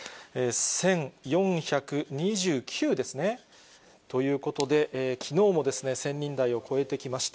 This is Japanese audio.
１４２９ですね。ということで、きのうも１０００人台を超えてきました。